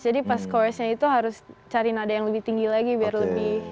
jadi pas chorusnya itu harus cari nada yang lebih tinggi lagi biar lebih